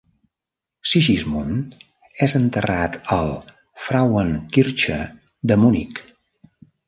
Sigismund és enterrat al "Frauenkirche" de Munic.